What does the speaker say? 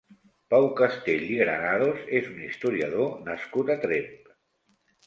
Pau Castell i Granados és un historiador nascut a Tremp.